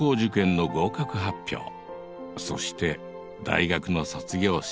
そして大学の卒業式。